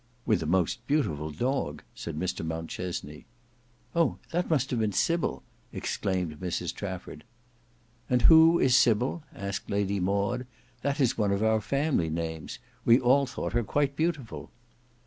"With the most beautiful dog," said Mr Mountchesney. "Oh! that must have been Sybil!" exclaimed Mrs Trafford. "And who is Sybil?" asked Lady Maud. "That is one of our family names. We all thought her quite beautiful."